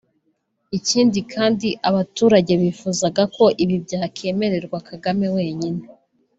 Ikindi ngo abaturage bifuzaga ko ibi byakwemererwa Kagame wenyine